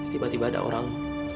tiba tiba ada orang